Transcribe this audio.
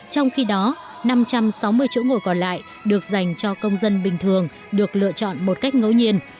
tối qua năm trăm sáu mươi chỗ ngồi còn lại được dành cho công dân bình thường được lựa chọn một cách ngẫu nhiên